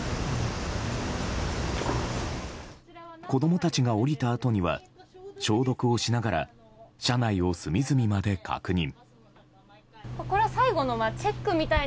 子供たちが降りたあとには消毒をしながら車内を隅々まで確認。